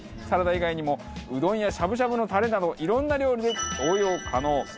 サラダ以外にもうどんやしゃぶしゃぶのタレなどいろんな料理で応用可能。